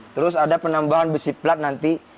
terus ada penambahan besi plat nanti